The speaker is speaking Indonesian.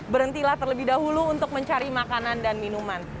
berhentilah terlebih dahulu untuk mencari makanan dan minuman